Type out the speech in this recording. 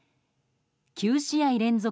９試合連続